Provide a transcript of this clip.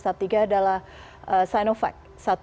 satiga adalah sinovac